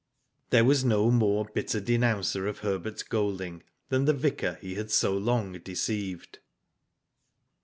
There was no more bitter denouncer of Herbert Golding than the vicar he had so long deceived.